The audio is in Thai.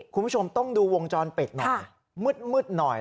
คุณผู้ชมต้องดูวงจรปิดหน่อยมืดหน่อย